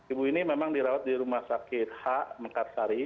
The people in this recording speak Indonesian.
ibu ini memang dirawat di rumah sakit h mekarsari